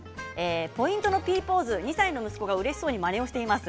ポイントのＰポーズ２歳の息子がうれしそうにまねしています。